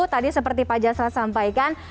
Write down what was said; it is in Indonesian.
tadi seperti pak jasad sampaikan